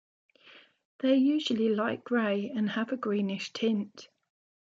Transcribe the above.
They are usually light gray and have a greenish tint.